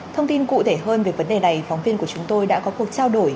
thông tin cụ thể hơn về vấn đề này phóng viên của chúng tôi đã có cuộc trao đổi